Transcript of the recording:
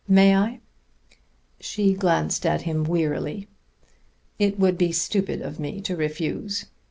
May I?" She glanced at him wearily. "It would be stupid of me to refuse.